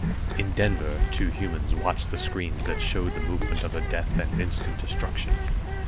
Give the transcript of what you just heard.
In Denver, two humans watched the screens that showed the movement of the death and instant destruction.